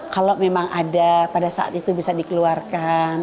kalau memang ada pada saat itu bisa dikeluarkan